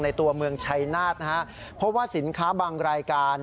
ตัวเมืองชัยนาฏนะฮะเพราะว่าสินค้าบางรายการ